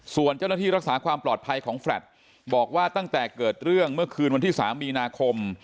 ส่วนเจ้าหน้าที่รักษาความปลอดภัยของแฟลตบอกว่าตั้งแต่เกิดเรื่องเมื่อคืนวันที่๓มีนาคม